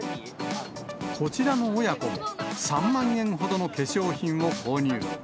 こちらの親子も、３万円ほどの化粧品を購入。